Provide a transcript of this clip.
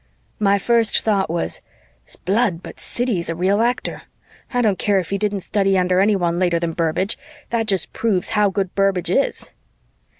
My first thought was, "'Sblood but Siddy is a real actor! I don't care if he didn't study under anyone later than Burbage, that just proves how good Burbage is."